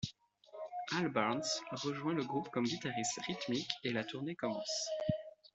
Al Barnes rejoint le groupe comme guitariste rythmique et la tournée commence.